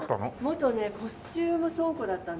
元ねコスチューム倉庫だったんです。